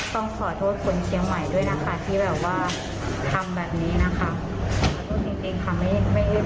ต้องขอโทษคนเชียงใหม่ด้วยนะคะที่แบบว่าทำแบบนี้นะคะ